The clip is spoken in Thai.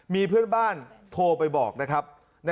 มีเพื่อนบ้านโทรไปบอกนะครับ